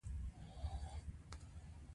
ګاونډي ته زړورتیا ورکړه